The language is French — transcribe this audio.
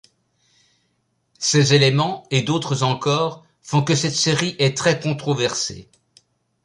Ces éléments et d'autres encore font que cette série est très controversée.